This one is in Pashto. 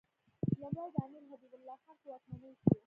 لومړی د امیر حبیب الله خان په واکمنۍ کې.